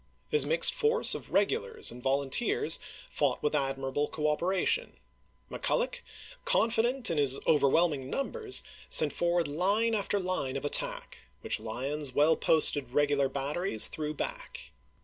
His mixed force of regulars and volunteers fought with admirable cooperation. McCulloch, confident FREMONT 411 in his overwhelming numbers, sent forward line ch. xxiii. after line of attack, which Lyon's well posted reg ular batteries threw back.